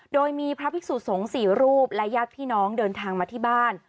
โดยมีพระภิกษุสงฆ์๔รูปและญาติพี่น้องเดินทางมาที่บ้าน